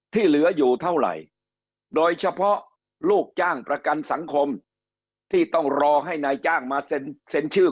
เหลืออยู่เท่าไหร่โดยเฉพาะลูกจ้างประกันสังคมที่ต้องรอให้นายจ้างมาเซ็นชื่อ